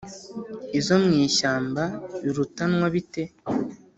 Izo mu ishyamba birutanwa bite?"